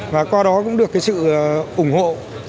và qua đó cũng được sự ủng hộ